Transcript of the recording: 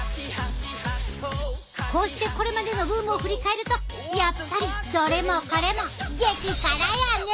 こうしてこれまでのブームを振り返るとやっぱりどれもこれも激辛やね。